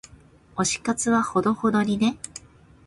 推し活はほどほどにね。